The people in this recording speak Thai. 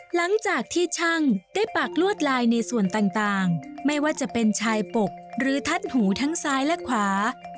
หลังจากที่ช่างได้ปากลวดลายในส่วนต่างไม่ว่าจะเป็นชายปกหรือทัดหูทั้งซ้ายและขวา